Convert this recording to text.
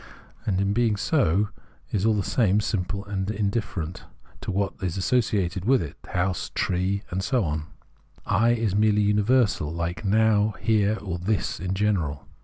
and, in being so, is all the same simple and indifferent to what is associated with it, the house, the tree, and so on. I is merely universal, like Now, Here, or This in general.